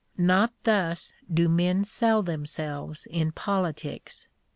Not thus do men sell themselves in politics.